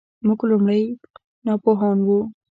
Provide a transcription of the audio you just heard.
موږ لومړی ناپوهان وو .